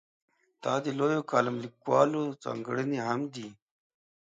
دا د لویو کالم لیکوالو ځانګړنې هم دي.